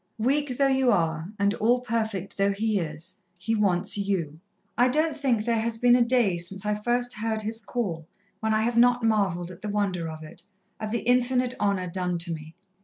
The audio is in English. Weak though you are, and all perfect though He is, He wants you. "I don't think there has been a day since I first heard His call, when I have not marvelled at the wonder of it at the infinite honour done to me.